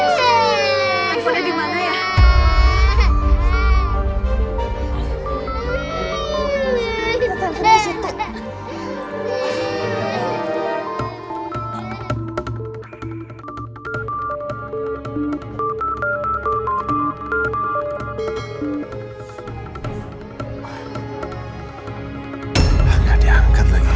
teleponnya dimana ya